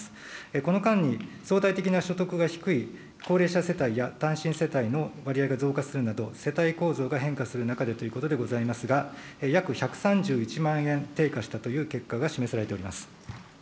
この間に、相対的な所得が低い高齢者世帯や単身世帯の割合が増加するなど、世帯構造が変化する中でということでございますが、約１３１万円低下したという結果が示されております。